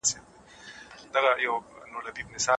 د توليد بهير د تخنيک په واسطه چټک سوی دی.